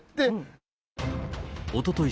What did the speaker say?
おととい